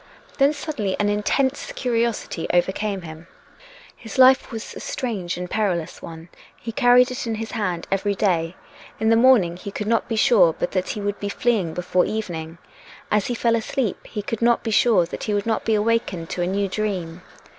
Then, suddenly, an intense curiosity overcame him. His life was a strange and perilous one; he carried it in his hand every day. In the morning he could not be sure but that he would be fleeing before evening. As he fell asleep, he could not be sure that he would not be awakened to a new dream.